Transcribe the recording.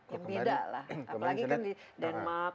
yang beda lah apalagi kan di denmark